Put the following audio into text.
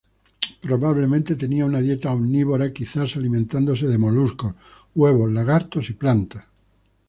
Probablemente tenía una dieta omnívora, quizás alimentándose de moluscos, huevos, lagartos y plantas.